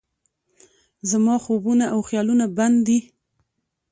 زما خوبونه او خیالونه بند دي